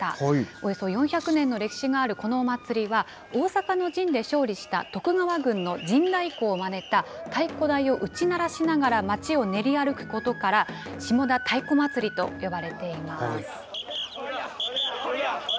およそ４００年の歴史があるこのお祭りは大坂の陣で勝利した徳川軍の陣太鼓をまねた太鼓台を打ち鳴らしながら町を練り歩くことから下田太鼓祭りと呼ばれています。